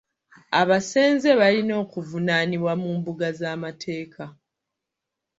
Abasenze balina okuvunaanibwa mu mbuga z'amateeka.